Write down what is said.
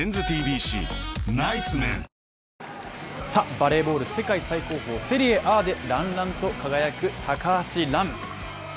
バレーボール世界最高峰・セリエＡでらんらんと輝く高橋藍。